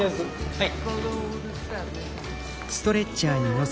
はい。